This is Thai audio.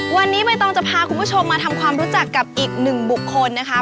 วันนี้ใบตองจะพาคุณผู้ชมมาทำความรู้จักกับอีกหนึ่งบุคคลนะคะ